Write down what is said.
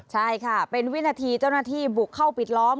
ใช่ค่ะเป็นวินาทีเจ้าหน้าที่บุกเข้าปิดล้อม